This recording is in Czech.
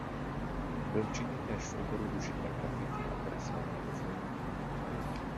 Byl činný též v oboru užité grafiky a kresleného filmu.